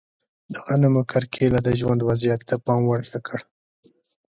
د غنمو کرکیله د ژوند وضعیت د پام وړ ښه کړ.